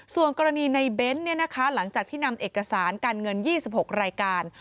ส่วนกรณีในเบ้นหลังจากที่นำเอกสารการเงิน๒๖รายการ